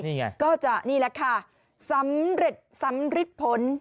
นี่ไงก็จะนี่แหละค่ะสำเร็จสำริดผล